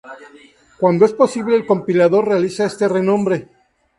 Cuando es posible, el compilador realiza este renombre.